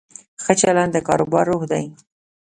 ښه چلند د کاروبار روح دی.